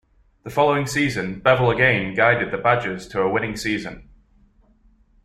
The following season, Bevell again guided the Badgers to a winning season.